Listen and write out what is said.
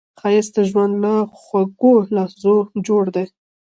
ښایست د ژوند له خوږو لحظو جوړ دی